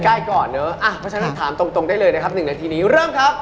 ก็ใกล้ก่อนเนอะประชาติถามตรงได้เลยนะครับ๑นาทีนี้เริ่มครับ